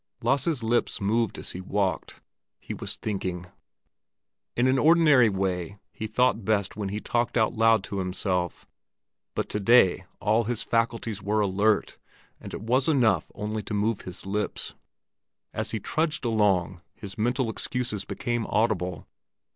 Lasse's lips moved as he walked; he was thinking. In an ordinary way he thought best when he talked out loud to himself, but to day all his faculties were alert, and it was enough only to move his lips. As he trudged along, his mental excuses became audible.